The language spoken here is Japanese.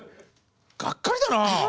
がっかりだな。